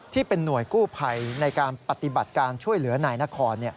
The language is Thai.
ที่เป็นหน่วยกู้ภัยในการปฏิบัติการช่วยเหลือนายนคร